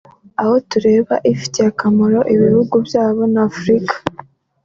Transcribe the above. aho tureba ifitiye akamaro ibihugu byabo na Afurika